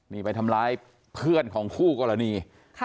นี่ไปทำร้ายเพื่อนของคู่กรณี